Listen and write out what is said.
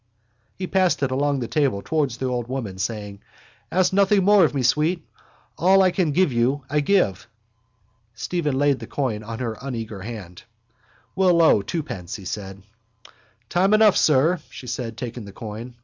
He passed it along the table towards the old woman, saying: —Ask nothing more of me, sweet. All I can give you I give. Stephen laid the coin in her uneager hand. —We'll owe twopence, he said. —Time enough, sir, she said, taking the coin.